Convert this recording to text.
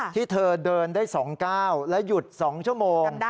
ที่เธอเดินได้๒ก้าวและหยุด๒ชั่วโมง